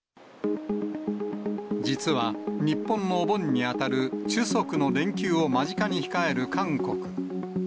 実は日本のお盆に当たるチュソクの連休を間近に控える韓国。